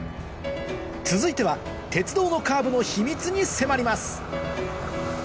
続いては鉄道のカーブの秘密に迫ります